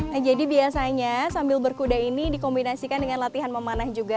nah jadi biasanya sambil berkuda ini dikombinasikan dengan latihan memanah juga